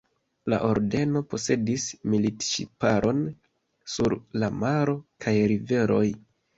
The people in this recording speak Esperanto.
La ordeno posedis militŝiparon sur la maro kaj riveroj.